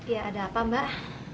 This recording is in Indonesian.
ya ada apa mbak